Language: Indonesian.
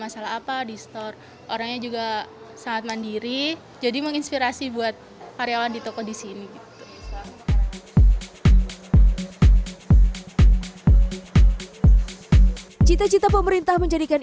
sendiri jadi menginspirasi buat karyawan di toko di sini gitu cita cita pemerintah menjadikan